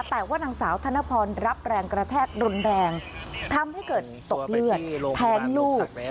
แต่ว่านางสาวธนพรรับแรงกระแทกรุนแรงทำให้เกิดตกเลือดแทงลูก